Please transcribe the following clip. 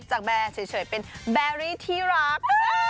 แบร์เฉยเป็นแบรี่ที่รัก